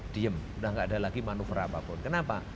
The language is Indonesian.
diam sudah tidak ada lagi manuvera apapun kenapa